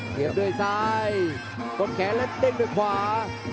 เสียบด้วยซ้ายต้นแขนและเด้งด้วยขวา